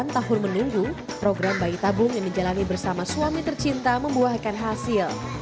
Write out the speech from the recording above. delapan tahun menunggu program bayi tabung yang dijalani bersama suami tercinta membuahkan hasil